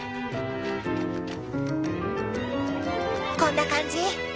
こんな感じ？